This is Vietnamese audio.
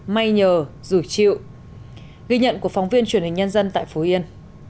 may nhờ rủi chịu ghi nhận của phóng viên truyền hình nhân dân tại phú yên